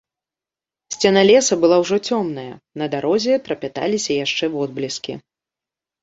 Сцяна лесу была ўжо цёмная, на дарозе трапяталіся яшчэ водбліскі.